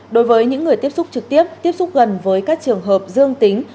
đối với những người tiếp xúc trực tiếp tiếp xúc gần với các trường hợp dương tính